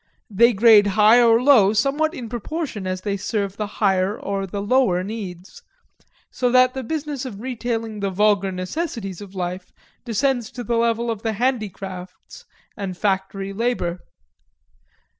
They grade high or low somewhat in proportion as they serve the higher or the lower needs; so that the business of retailing the vulgar necessaries of life descends to the level of the handicrafts and factory labor.